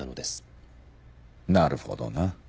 なるほどな。